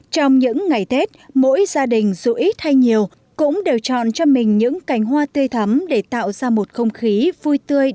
trong những ngày tết mỗi gia đình dù ít hay nhiều cũng đều chọn cho mình những cành hoa tươi thắm để tạo ra một không khí vui tươi